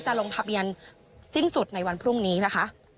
ลงทะเบียนสิ้นสุดในวันพรุ่งนี้นะคะ